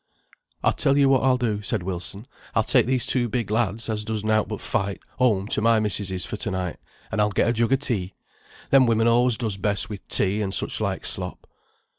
"I'll tell yo what I'll do," said Wilson. "I'll take these two big lads, as does nought but fight, home to my missis's for to night, and I'll get a jug o' tea. Them women always does best with tea and such like slop."